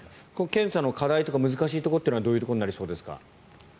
検査の課題とか難しいところというのはどういうところになりそうですか？